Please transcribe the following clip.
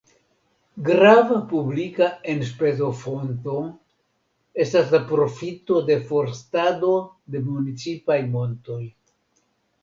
Grava publika enspezofonto estas la profito de forstado de municipaj montoj.